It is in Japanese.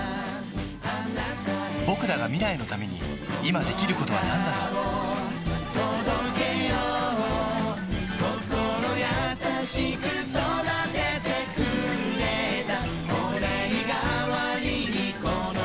ぼくらが未来のために今できることはなんだろう心優しく育ててくれた